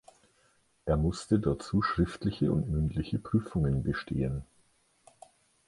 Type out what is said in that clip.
Er musste dazu schriftliche und mündliche Prüfungen bestehen.